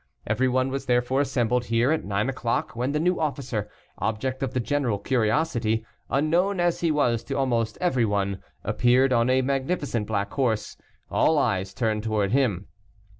Everyone was therefore assembled here at nine o'clock, when the new officer, object of the general curiosity, unknown as he was to almost everyone, appeared on a magnificent black horse. All eyes turned towards him.